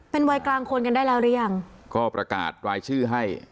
เป็นวัยกลางคนกันได้แล้วหรือยังก็ประกาศรายชื่อให้